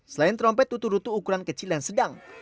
selain trompet tutu rutu ukuran kecil dan sedang